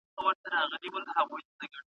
په کور کي د درس لپاره لویه ودانۍ نه غوښتل کېږي.